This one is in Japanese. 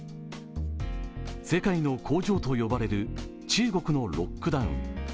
世界の工場と呼ばれる中国のロックダウン。